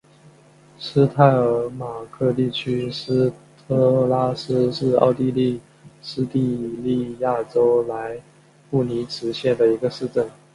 施泰尔马克地区施特拉斯是奥地利施蒂利亚州莱布尼茨县的一个市镇。